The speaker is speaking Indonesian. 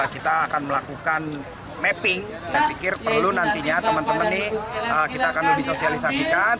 kita akan melakukan mapping dan pikir perlu nantinya teman teman ini kita akan lebih sosialisasikan